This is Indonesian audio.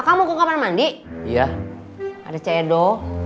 kamu ke mana mandi iya ada cedo